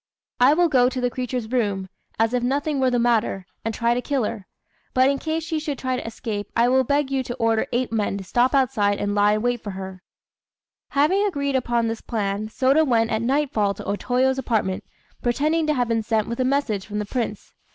"I will go to the creature's room, as if nothing were the matter, and try to kill her; but in case she should try to escape, I will beg you to order eight men to stop outside and lie in wait for her." Having agreed upon this plan, Sôda went at nightfall to O Toyo's apartment, pretending to have been sent with a message from the Prince.